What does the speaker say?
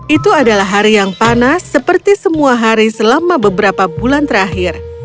itu adalah hari yang panas seperti semua hari selama beberapa bulan terakhir